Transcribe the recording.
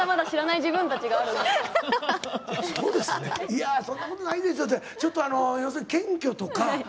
「いやそんなことないです」ってちょっとあの要するに謙虚とか。